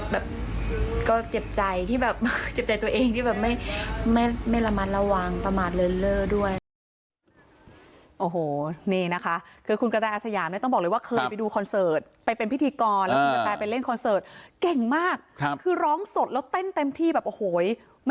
แบบก็เจ็บใจที่แบบเจ็บใจตัวเองที่แบบไม่ระมัดระวังประมาทเลินเล่อด้วย